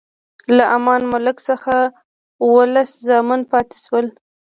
له امان الملک څخه اووه لس زامن پاتې شول.